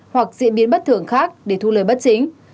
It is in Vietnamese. hoặc diễn biến bất thường khác để thu lời bất chính